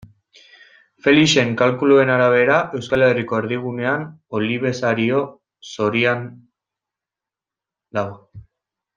Felixen kalkuluen arabera, Euskal Herriko erdigunean Olibesario saroian dago.